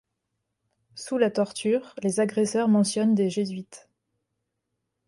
Sous la torture, les agresseurs mentionnent des jésuites.